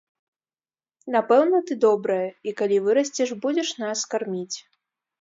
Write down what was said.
Напэўна, ты добрае, і, калі вырасцеш, будзеш нас карміць.